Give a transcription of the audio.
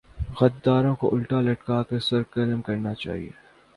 غداروں کو الٹا لٹکا کر سر قلم کرنا چاہیۓ